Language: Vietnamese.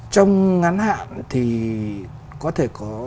trong ngắn hạn thì có thể có